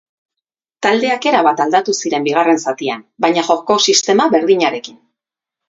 Taldeak erabat aldatu ziren bigarren zatian, baina joko-sistema berdinarekin.